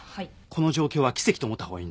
この状況は奇跡と思った方がいいんだ。